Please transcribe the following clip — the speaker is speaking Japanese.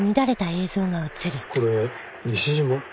これ西島？